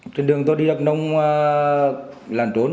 trên đường tôi đi đập nông lẩn đốn